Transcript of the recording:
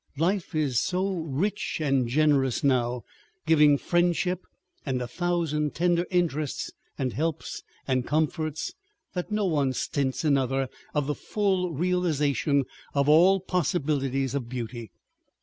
Life is so rich and generous now, giving friendship, and a thousand tender interests and helps and comforts, that no one stints another of the full realization of all possibilities of beauty.